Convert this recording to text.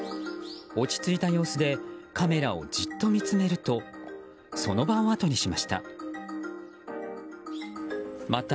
落ち着いた様子でカメラをじっと見つめるとその場をあとにしました。